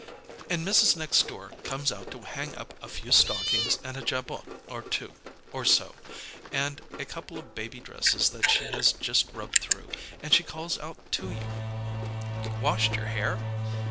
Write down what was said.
"And Mrs. Next Door comes out to hang up a few stockings, and a jabot or so, and a couple of baby dresses that she has just rubbed through, and she calls out to you: "'Washed your hair?'